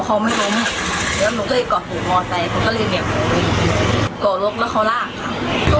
เขาเขาไม่รู้แล้วหนูก็เลยกอดหูมอดใจหนูก็เลยเหมียวตัวลดแล้วเขาร่ากครับ